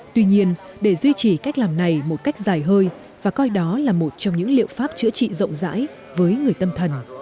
tuy nhiên để duy trì cách làm này một cách dài hơi và coi đó là một trong những liệu pháp chữa trị rộng rãi với người tâm thần